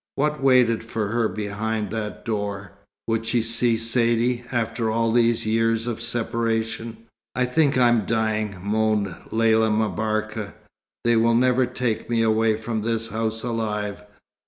What waited for her behind that door? Would she see Saidee, after all these years of separation? "I think I'm dying," moaned Lella M'Barka. "They will never take me away from this house alive.